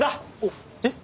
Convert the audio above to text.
えっ？